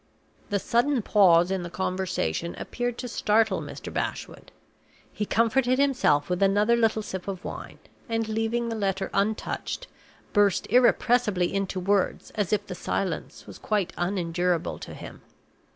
The sudden pause in the conversation appeared to startle Mr. Bashwood. He comforted himself with another little sip of wine, and, leaving the letter untouched, burst irrepressibly into words, as if the silence was quite unendurable to him.